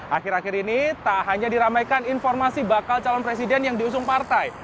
akhir akhir ini tak hanya diramaikan informasi bakal calon presiden yang diusung partai